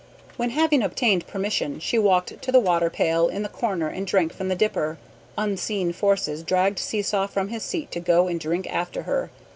When, having obtained permission, she walked to the water pail in the corner and drank from the dipper, unseen forces dragged Seesaw from his seat to go and drink after her.